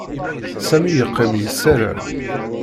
Sami yeqqim yessaram.